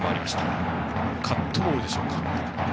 今のはカットボールでしょうか。